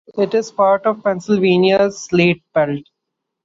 It is part of Pennsylvania's Slate Belt.